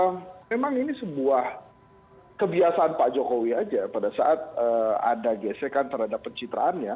ya memang ini sebuah kebiasaan pak jokowi aja pada saat ada gesekan terhadap pencitraannya